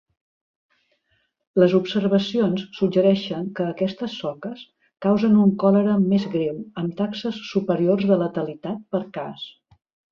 Les observacions suggereixen que aquestes soques causen un còlera més greu amb taxes superiors de letalitat per cas.